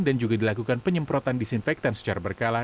dan juga dilakukan penyemprotan disinfektan secara berkala